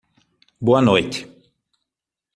Boa noite!